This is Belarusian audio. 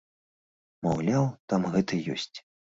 Маўляў, там гэта ёсць.